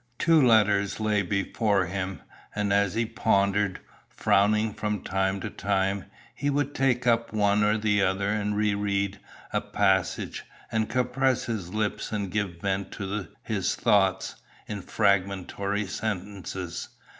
Two letters lay before him, and as he pondered, frowning from time to time, he would take up one or the other and re read a passage, and compress his lips and give vent to his thoughts in fragmentary sentences.